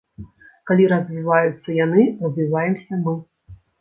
Калі развіваюцца яны, развіваемся мы.